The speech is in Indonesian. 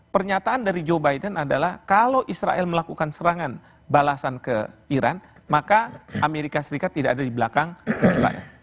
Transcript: pernyataan dari joe biden adalah kalau israel melakukan serangan balasan ke iran maka amerika serikat tidak ada di belakang israel